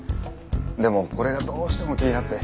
でもこれがどうしても気になって。